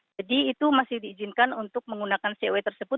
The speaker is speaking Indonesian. jadi itu masih diizinkan untuk menggunakan coe tersebut